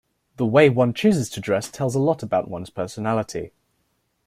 The way one chooses to dress tells a lot about one's personality.